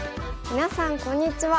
みなさんこんにちは。